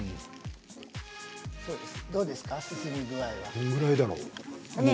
どうですか、進み具合は？